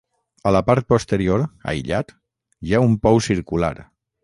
A la part posterior, aïllat, hi ha un pou circular.